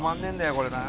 これな。